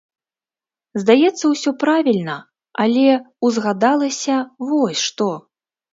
Здаецца, усё правільна, але ўзгадалася вось што.